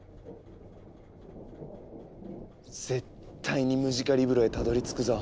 絶対にムジカリブロへたどりつくぞ。